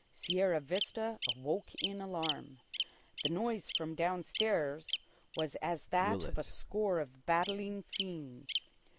Sierra Vista awoke in alarm. The noise from downstairs was as that of a score of battling fiends.